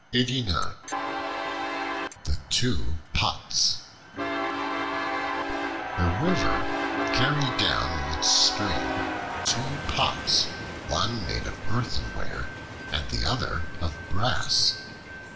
The Two Pots A RIVER carried down in its stream two Pots, one made of earthenware and the other of brass.